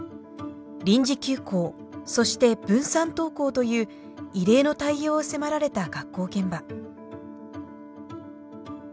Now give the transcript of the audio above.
臨時休校そして分散登校という異例の対応を迫られた学校現場。